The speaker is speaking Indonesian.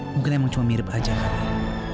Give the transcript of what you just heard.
mungkin emang cuma mirip aja kakak